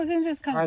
はい。